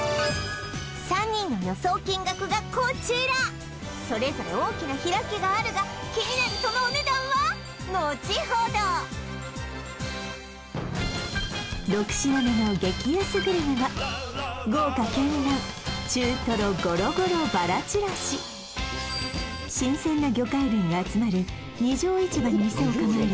３人の予想金額がこちらそれぞれ大きな開きがあるが気になるそのお値段はのちほど６品目の激安グルメは新鮮な魚介類が集まる二条市場に店を構える